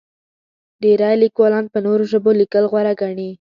ډېری لیکوالان په نورو ژبو لیکل غوره ګڼي.